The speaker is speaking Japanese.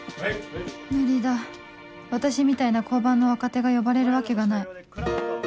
無理だ私みたいな交番の若手が呼ばれるわけがない